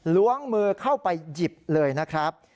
ล้วงมือเข้าไปหยิบเลยนะครับ